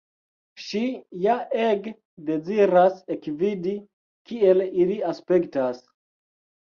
Ŝi ja ege deziras ekvidi, kiel ili aspektas.